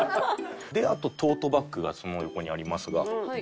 あとトートバッグがその横にありますが。